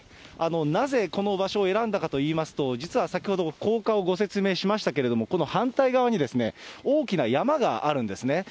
なぜこの場所を選んだかといいますと、実は先ほど高架をご説明しましたけれども、この反対側に、大きな山があるんですね。